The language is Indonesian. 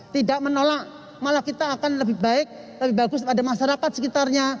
tidak menolak malah kita akan lebih baik lebih bagus pada masyarakat sekitarnya